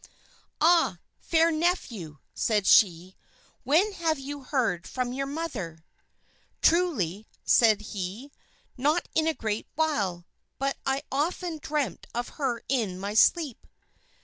"Ah! fair nephew," said she, "when have you heard from your mother?" "Truly," said he, "not in a great while, but I often dream of her in my sleep."